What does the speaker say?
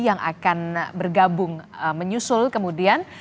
yang akan bergabung menyusul kemudian